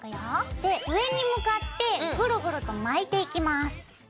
で上に向かってグルグルと巻いていきます。